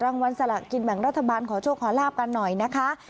รางวัลสละกินแบ่งรัฐบาลขอโชคขอลาบกันหน่อยนะคะ